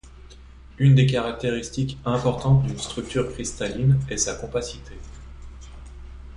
Une des caractéristiques importantes d'une structure cristalline est sa compacité.